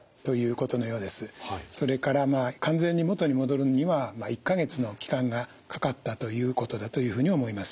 それから完全に元に戻るのには１か月の期間がかかったということだというふうに思います。